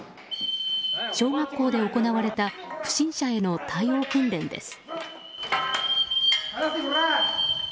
小学校で行われた不審者への対応訓練です。